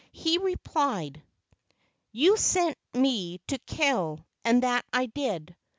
He replied, "You sent me to kill, and that I did."